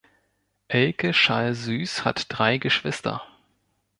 Elke Schall-Süß hat drei Geschwister.